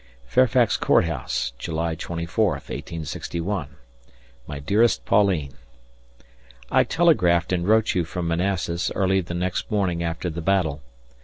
Fairfax Court House, July 24th, 1861. My dearest Pauline: I telegraphed and wrote you from Manassas early the next morning after the battle.